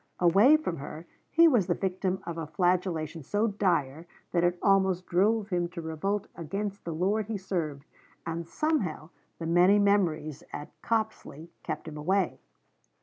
Away from her, he was the victim of a flagellation so dire that it almost drove him to revolt against the lord he served, and somehow the many memories at Copsley kept him away.